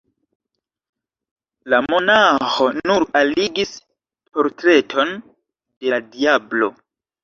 La monaĥo nur aligis portreton de la diablo.